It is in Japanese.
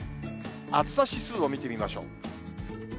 暑さ指数を見てみましょう。